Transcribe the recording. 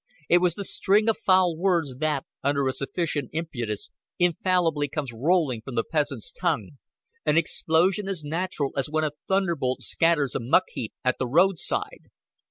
It was the string of foul words that, under a sufficient impetus, infallibly comes rolling from the peasant's tongue an explosion as natural as when a thunderbolt scatters a muck heap at the roadside.